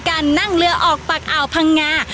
การนั่งเรือออกปากอ่าวพังงา